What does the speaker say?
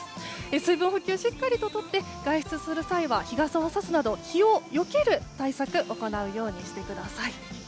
水分補給をしっかりとして外出する際は日傘をさすなど日をよける対策を行うようにしてください。